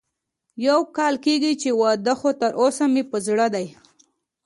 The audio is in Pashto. يو کال کېږي چې واده خو تر اوسه مې په زړه ده